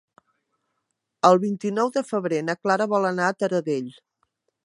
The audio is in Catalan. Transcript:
El vint-i-nou de febrer na Clara vol anar a Taradell.